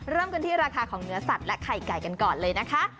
เริ่มกันที่ราคาของเนื้อสัตว์และไข่ไก่กันก่อนเลยนะคะ